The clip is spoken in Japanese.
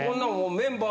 メンバー